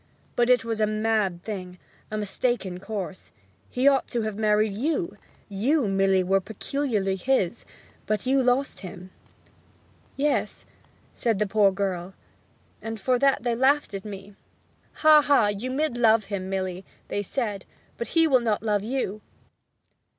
'But it was a mad thing, and a mistaken course. He ought to have married you. You, Milly, were peculiarly his. But you lost him.' 'Yes,' said the poor girl; 'and for that they laughed at me. "Ha ha, you mid love him, Milly," they said; "but he will not love you!"'